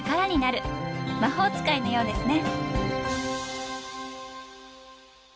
魔法使いのようですね。